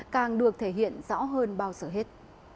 càng được thể hiện rõ hơn bao giờ hết